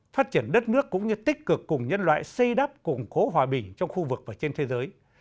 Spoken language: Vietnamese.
phát triển đất nước cũng như tích cực cùng nhân loại xây đắp củng cố hòa bình trong khu vực và trên thế giới